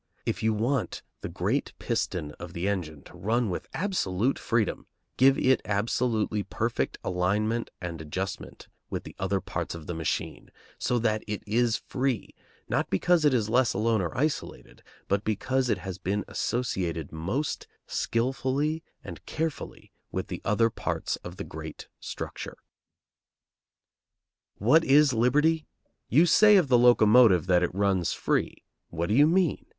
If you want the great piston of the engine to run with absolute freedom, give it absolutely perfect alignment and adjustment with the other parts of the machine, so that it is free, not because it is let alone or isolated, but because it has been associated most skilfully and carefully with the other parts of the great structure. What it liberty? You say of the locomotive that it runs free. What do you mean?